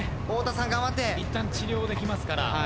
いったん治療できますから。